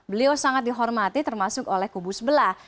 beliau sangat dihormati termasuk oleh kubu sebelah